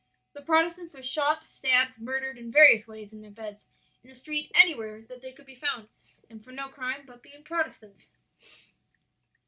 "The Protestants were shot, stabbed, murdered in various ways, in their beds, in the street, any where that they could be found; and for no crime but being Protestants."